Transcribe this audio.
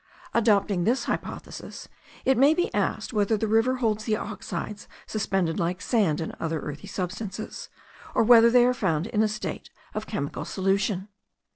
Adopting this hypothesis, it may be asked whether the river holds the oxides suspended like sand and other earthy substances, or whether they are found in a state of chemical solution.